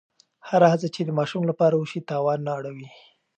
هره هڅه چې د ماشوم لپاره وشي، تاوان نه اړوي.